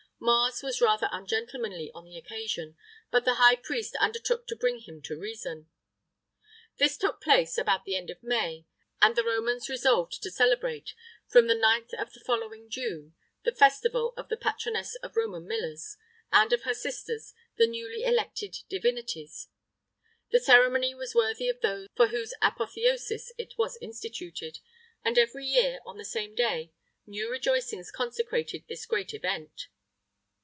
[III 22] Mars was rather ungentlemanly on the occasion, but the high priest undertook to bring him to reason. This took place about the end of May, and the Romans resolved to celebrate, from the 9th of the following June, the festival of the patroness of Roman millers, and of her sisters, the newly elected divinities; the ceremony was worthy of those for whose apotheosis it was instituted, and every year, on the same day, new rejoicings consecrated this great event.